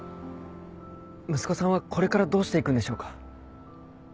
息子さんはこれからどうしていくんでしょうか。